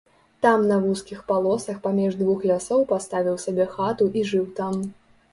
Там на вузкіх палосах паміж двух лясоў паставіў сабе хату і жыў там.